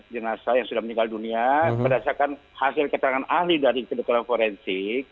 jenazah yang sudah meninggal dunia berdasarkan hasil keterangan ahli dari kedokteran forensik